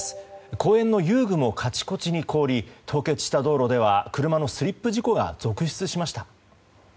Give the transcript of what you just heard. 公園の遊具もカチコチに凍り凍結した道路では車のスリップ事故が続出しました。